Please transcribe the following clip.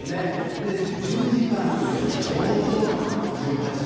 で１０時間というとちょうど１８時。